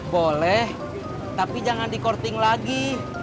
boleh tapi jangan dikorting lagi